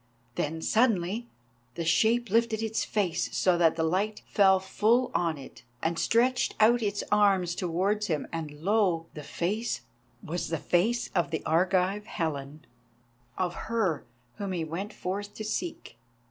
Then suddenly the shape lifted its face so that the light fell full on it, and stretched out its arms towards him, and lo! the face was the face of the Argive Helen—of her whom he went forth to seek.